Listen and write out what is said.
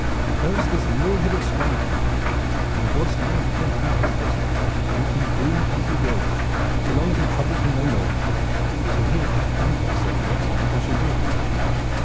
'Curse this mule headed Squire!' he cried. 'In God's name let him have his prisoner, and let him do what he will with him so long as he troubles me no more!' So here I have come, fair sir, to ask you what I shall do."